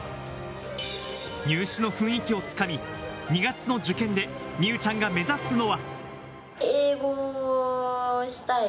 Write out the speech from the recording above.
入試の雰囲気をつかみ、２月の受験で美羽ちゃんが目指すのは。